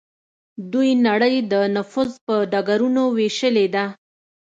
دوی نړۍ د نفوذ په ډګرونو ویشلې ده